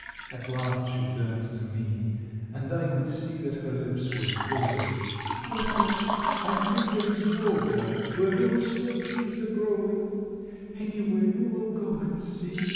At last she turned to me, and I could see that her lips were quivering. "Lopez, I think there is water where those small trees are growing; anyway, we will go and see."